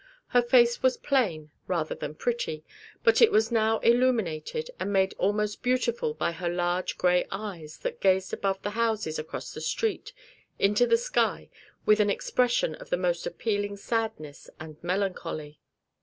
Her face was plain rather than pretty, but it was now illuminated and made almost beautiful by her large gray eyes that gazed above the houses across the street into the sky with an expression of the most appealing sadness and melancholy.